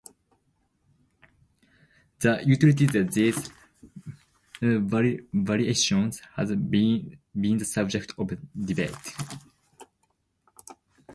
The utility of these variations has been the subject of debate.